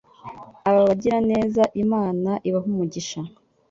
aba bagiraneza Imana ibahe umugisha